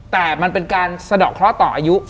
แต่มันเป็นการสะดอกเคราะห์ต่ออายุ